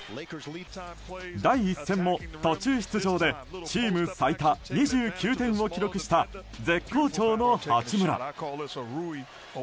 第１戦も、途中出場でチーム最多２９点を記録した絶好調の八村。